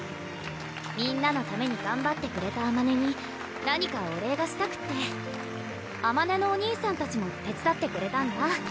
みんなのためにがんばってくれたあまねに何かお礼がしたくってあまねのお兄さんたちも手つだってくれたんだ